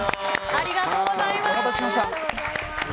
ありがとうございます。